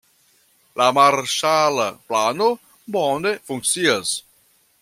La marŝala plano bone funkcias.